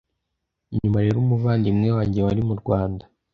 Nyuma rero umuvandimwe wanjye wari mu Rwanda